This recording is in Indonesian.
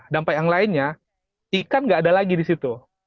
dampak yang lainnya ikan nggak ada lagi di situ